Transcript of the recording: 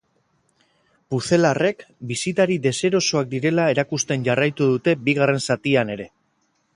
Pucelarrek bisitari deserosoak direla erakusten jarraitu dute bigarren zatian ere.